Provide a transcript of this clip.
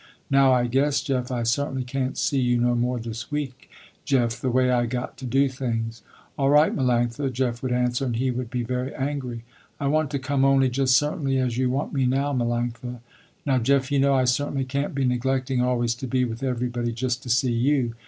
Now I guess Jeff, I certainly can't see you no more this week Jeff, the way I got to do things." "All right Melanctha," Jeff would answer and he would be very angry. "I want to come only just certainly as you want me now Melanctha." "Now Jeff you know I certainly can't be neglecting always to be with everybody just to see you.